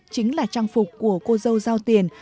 chính là trang phục của cô dâu giao tiền